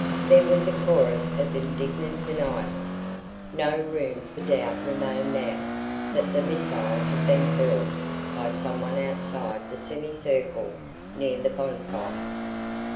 There was a chorus of indignant denials. No room for doubt remained now that the missile had been hurled by someone outside the semicircle near the bonfire.